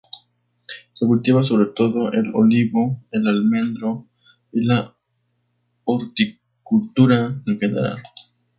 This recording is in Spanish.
Se cultiva sobre todo el olivo, el almendro, y la horticultura en general.